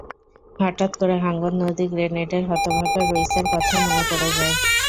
হঠাৎ করে হাঙর নদী গ্রেনেডের হতভাগা রইসের কথা মনে পড়ে যায়।